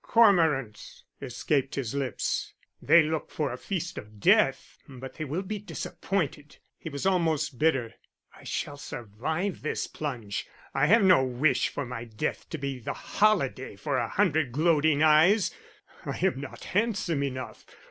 "] "Cormorants!" escaped his lips. "They look for a feast of death, but they will be disappointed." He was almost bitter. "I shall survive this plunge. I have no wish for my death to be the holiday for a hundred gloating eyes, I am not handsome enough.